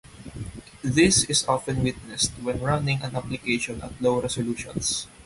This is often witnessed when running an application at low resolutions.